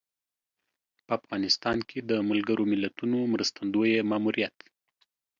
په افغانستان کې د ملګر ملتونو مرستندویه ماموریت